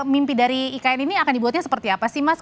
mimpi dari ikn ini akan dibuatnya seperti apa sih mas